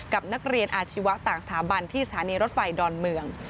กับนักเรียนอาชีวะต่างสถาบันที่สถานีรถไฟดอนเมือง